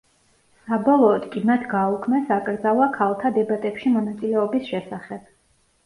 საბოლოოდ კი მათ გააუქმეს აკრძალვა ქალთა დებატებში მონაწილეობის შესახებ.